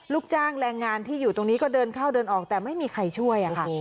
ลูกจ้างแรงงานที่อยู่ตรงนี้ก็เดินเข้าเดินออกแต่ไม่มีใครช่วยค่ะ